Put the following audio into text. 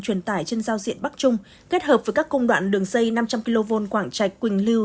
truyền tải trên giao diện bắc trung kết hợp với các công đoạn đường dây năm trăm linh kv quảng trạch quỳnh lưu